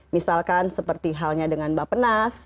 misalkan seperti halnya dengan mbak penas